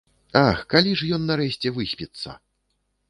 Ах, калі ж ён нарэшце выспіцца?